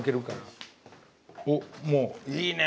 おっもういいね！